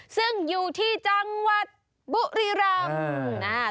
ซึ่งอยู่ที่จังหวัดบุรีรำ